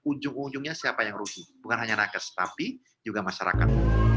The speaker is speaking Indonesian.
ujung ujungnya siapa yang rugi bukan hanya nakes tapi juga masyarakat